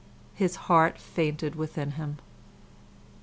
His heart fainted within him.